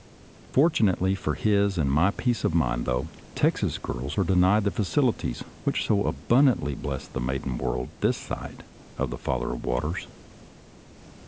Fortunately for his and my peace of mind, though, Texas girls are denied the facilities which so abundantly bless the maiden world this side of the Father of Waters.